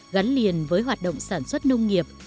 gắn liền với hoạt động sản xuất nông nghiệp